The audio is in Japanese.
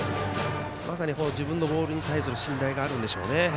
まさに自分のボールに対する信頼があるんでしょうね。